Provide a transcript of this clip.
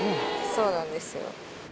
そうなんですよ。